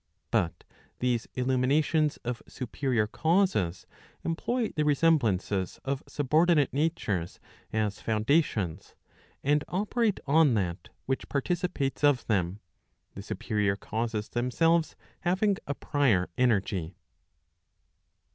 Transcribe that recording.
But these illumi¬ nations of superior causes, employ the resemblances of subordinate natures as foundations, and operate on that which'participates of them, the superior causes themselves having a prior energy.